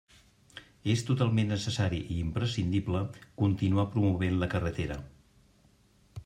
És totalment necessari i imprescindible continuar promovent la carretera.